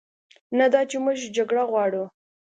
نه دا چې موږ جګړه غواړو،